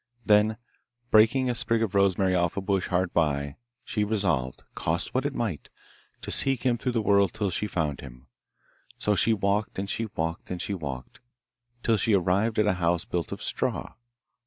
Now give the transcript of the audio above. Then, breaking a sprig of rosemary off a bush hard by, she resolved, cost what it might, to seek him through the world till she found him. So she walked and she walked and she walked, till she arrived at a house built of straw.